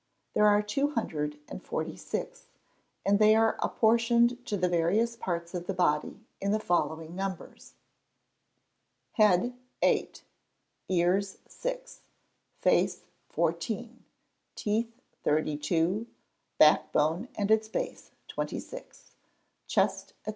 _ There are two hundred and forty six, and they are apportioned to the various parts of the body in the following numbers: Head 8 Ears 6 Face 14 Teeth 32 Back bone and its base 26 Chest, &c.